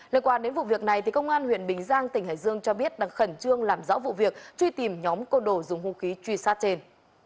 liên quan đến vụ việc này công an huyện bình giang tỉnh hải dương cho biết đang khẩn trương làm rõ vụ việc truy tìm nhóm côn đồ dùng hung khí truy sát trên